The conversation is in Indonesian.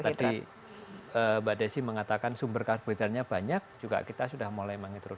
kalau tadi mbak desi mengatakan sumber karbohidratnya banyak juga kita sudah mulai mengintroduce